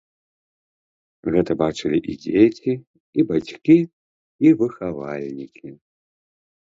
Гэта бачылі і дзеці, і бацькі, і выхавальнікі.